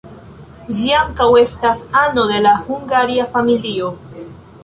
Ĝi ankaŭ estas ano de la Hungaria familio.